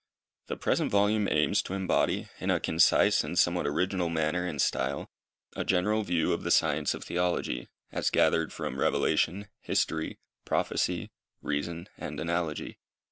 The present Volume aims to embody, in a concise and somewhat original manner and style, a general view of the Science of Theology, as gathered from revelation, history, prophecy, reason and analogy.